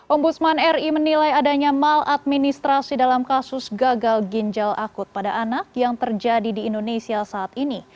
ombudsman ri menilai adanya maladministrasi dalam kasus gagal ginjal akut pada anak yang terjadi di indonesia saat ini